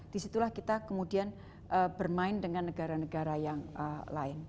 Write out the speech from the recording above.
disitulah kita kemudian bermain dengan negara negara yang lain